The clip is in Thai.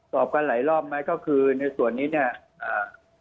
สอบกันหลายรอบไหมก็คือในส่วนนี้เนี้ยอ่า